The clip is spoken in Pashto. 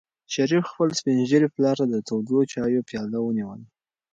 شریف خپل سپین ږیري پلار ته د تودو چایو پیاله ونیوله.